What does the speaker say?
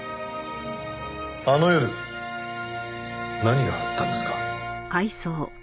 あの夜何があったんですか？